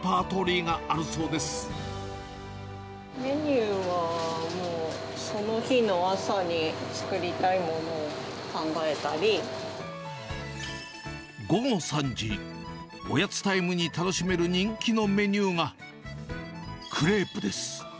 メニューはもうその日の朝に午後３時、おやつタイムに楽しめる人気のメニューが、クレープです。